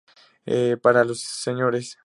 Para los Sres.